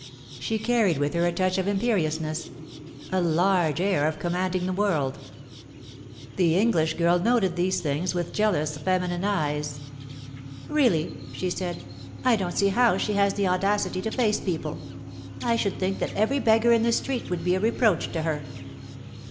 She carried with her a touch of imperiousness, a large air of commanding the world. The English girl noted these things with jealous feminine eyes. 'Really,' she said, 'I don't see how she has the audacity to face people. I should think that every beggar in the street would be a reproach to her.